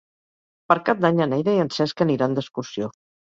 Per Cap d'Any na Neida i en Cesc aniran d'excursió.